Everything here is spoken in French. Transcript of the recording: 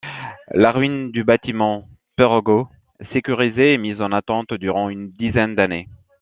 La ruine du bâtiment Perregaux, sécurisée, est mise en attente durant une dizaine d'années.